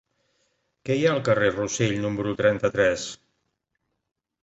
Què hi ha al carrer de Rossell número trenta-tres?